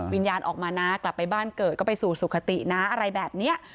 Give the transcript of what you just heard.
วิญญาณออกมานะกลับไปบ้านเกิดก็ไปสู่สุขตินะอะไรแบบนี้